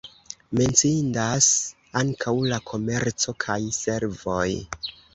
Menciindas ankaŭ la komerco kaj servoj.